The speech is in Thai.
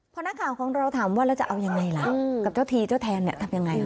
พอนักข่าวของเราถามว่าแล้วจะเอายังไงล่ะกับเจ้าทีเจ้าแทนเนี่ยทำยังไง